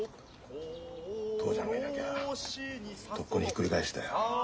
父ちゃんがいなきゃとっくにひっくり返してたよ。